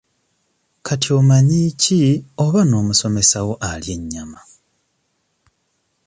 Kati omanyi ki oba n'omusomesa wo alya ennyama?